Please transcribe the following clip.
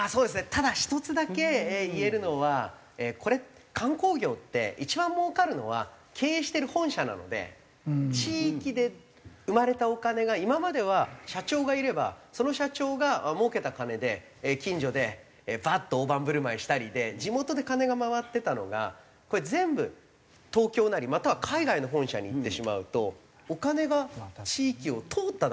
ただ１つだけ言えるのはこれ観光業って一番もうかるのは経営してる本社なので地域で生まれたお金が今までは社長がいればその社長がもうけた金で近所でバッと大盤振る舞いしたりで地元で金が回ってたのがこれ全部東京なりまたは海外の本社にいってしまうとお金が地域を通っただけになってしまうという。